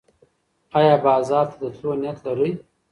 ایا بازار ته د تلو نیت لرې؟